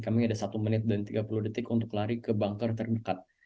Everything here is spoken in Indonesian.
kami ada satu menit dan tiga puluh detik untuk lari ke bunker terdekat